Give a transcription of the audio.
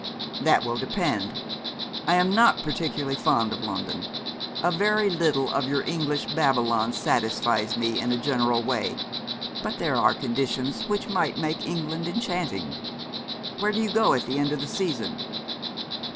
'That will depend. I am not particularly fond of London. A very little of your English Babylon satisfies me, in a general way; but there are conditions which might make England enchanting. Where do you go at the end of the season?'